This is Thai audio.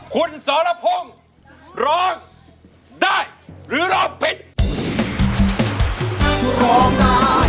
คุณสรพงศ์ร้องได้หรือร้องผิด